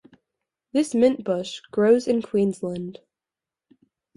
This mint bush grows in Queensland.